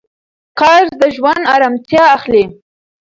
قرض د ژوند ارامتیا اخلي.